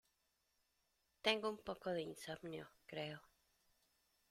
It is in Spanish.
Tengo un poco de insomnio, creo.